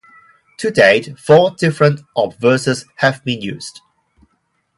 To date, four different obverses have been used.